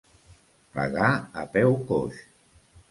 Pagar a peu coix.